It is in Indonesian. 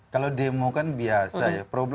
kalau demo kan biasa ya